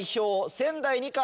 仙台二華。